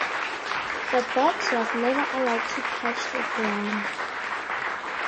The box was never allowed to touch the ground.